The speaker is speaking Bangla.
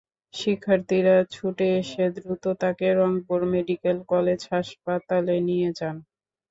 শিক্ষার্থীরা ছুটে এসে দ্রুত তাঁকে রংপুর মেডিকেল কলেজ হাসপাতালে নিয়ে যান।